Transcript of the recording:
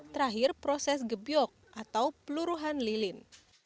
terakhir proses gebyok atau peluruhan lilin